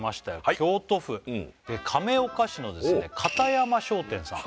京都府亀岡市の片山商店さん